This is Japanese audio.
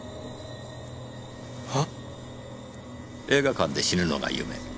映画館で死ぬのが夢。